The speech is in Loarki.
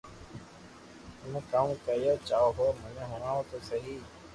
تمو ڪاو ڪيوُ چاھو ھون مني ھڻاو تو سھي